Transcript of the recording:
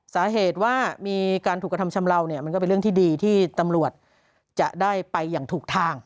สาเหตุว่ามีการถูกกระทำชำเลาเนี่ยมันก็เป็นเรื่องที่ดีที่ตำรวจจะได้ไปอย่างถูกทาง